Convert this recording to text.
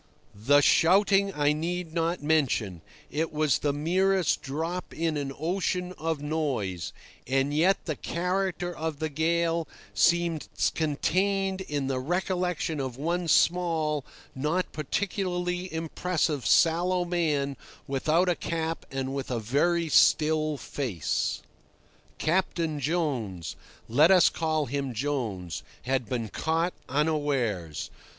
The shouting I need not mention—it was the merest drop in an ocean of noise—and yet the character of the gale seems contained in the recollection of one small, not particularly impressive, sallow man without a cap and with a very still face. Captain Jones—let us call him Jones—had been caught unawares.